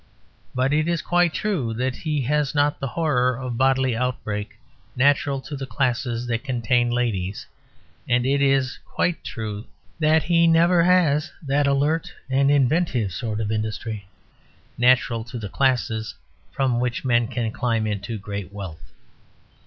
But it is quite true that he has not the horror of bodily outbreak, natural to the classes that contain ladies; and it is quite true that he never has that alert and inventive sort of industry natural to the classes from which men can climb into great wealth.